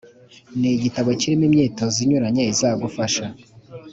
Ni igitabo kirimo imyitozo inyuranye izagufasha